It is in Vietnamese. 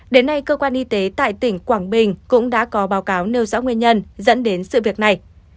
đến nay cơ quan y tế tại tỉnh quảng bình cũng đã có báo cáo nêu rõ nguyên nhân dẫn đến sự việc này